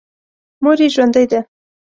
مور یې ژوندۍ ده.